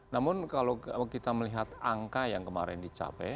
namun kalau kita melihat angka yang kemarin dicapai